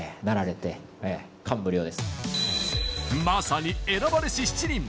まさに選ばれし７人！